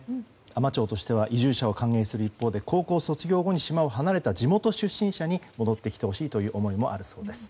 海士町としては移住者を歓迎する一方で高校卒業後に島を離れた地元出身者に戻ってきてほしいという思いもあるそうです。